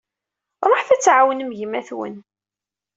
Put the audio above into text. Ruḥet ad tɛawnem gma-twen.